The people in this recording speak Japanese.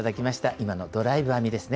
今のドライブ編みですね。